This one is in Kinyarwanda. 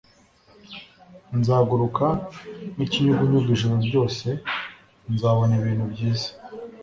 nzaguruka nk'ikinyugunyugu ijoro ryose, nzabona ibintu byiza